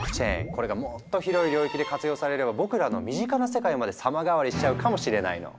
これがもっと広い領域で活用されれば僕らの身近な世界まで様変わりしちゃうかもしれないの。